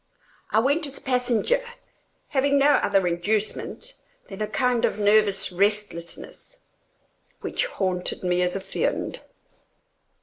I went as passenger—having no other inducement than a kind of nervous restlessness which haunted me as a fiend.